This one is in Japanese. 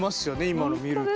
今の見ると。